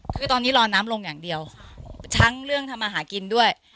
คือตอนนี้รอน้ำลงอย่างเดียวทั้งเรื่องทำอาหารกินด้วย